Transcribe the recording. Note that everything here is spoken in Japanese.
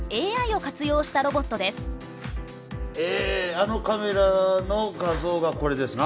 あのカメラの画像がこれですな？